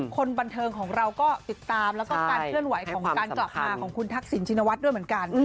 คนบันเทิงของเราก็ติดตามแล้วก็การเคลื่อนไหวของการกลับมาของคุณทักษิณชินวัฒน์ด้วยเหมือนกัน